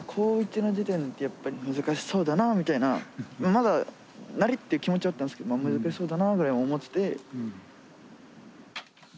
まだなるっていう気持ちはあったんですけど難しそうだなぐらいに思ってて。